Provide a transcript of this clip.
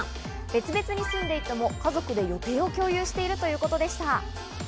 別々に住んでいても家族で予定を共有しているということでした。